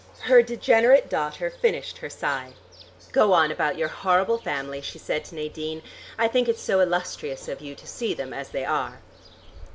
Her degenerate daughter finished her sigh. "Go on about your horrible family," she said to Nadine. "I think it's so illustrious of you to see them as they are."